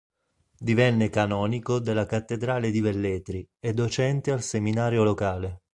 Divenne canonico della cattedrale di Velletri e docente al seminario locale.